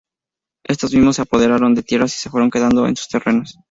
Estos mismos se apoderaron de tierras y se fueron quedando en sus terrenos.